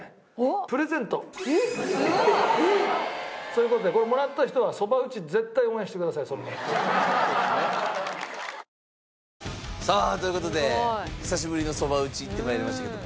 そういう事でこれもらった人はそば打ち絶対応援してください。という事で久しぶりのそば打ち行って参りましたけど。